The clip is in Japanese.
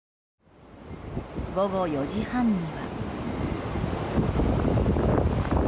午後４時半には。